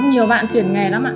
nhiều bạn chuyển nghề lắm ạ